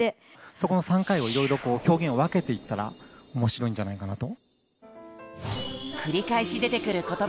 そこの３回をいろいろこう表現をわけていったら面白いんじゃないかなと。